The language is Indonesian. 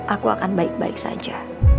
aku akan baik baik saja